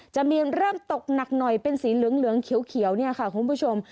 จะมีเริ่มตกหนักหน่อยเป็นสีเหลืองเหลืองเขียวเขียวเนี่ยค่ะคุณผู้ชม